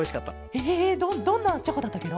ええどどんなチョコだったケロ？